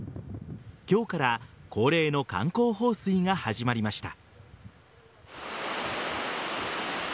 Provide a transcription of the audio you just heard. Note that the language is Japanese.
今日から恒例の観光放水が始まりました。